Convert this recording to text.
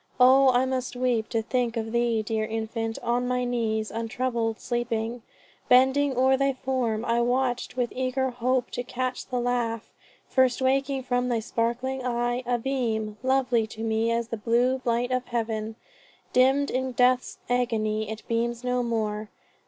O I must weep To think of thee, dear infant, on my knees Untroubled sleeping. Bending o'er thy form, I watch'd with eager hope to catch the laugh First waking from thy sparkling eye, a beam Lovely to me as the blue light of heaven. Dimm'd in death's agony, it beams no more!